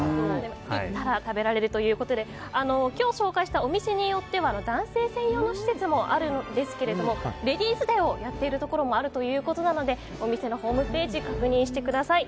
行ったら食べられるということで今日紹介したお店によっては男性専用の施設もあるんですがレディースデーをやっているところもあるということなのでお店のホームページ確認してください。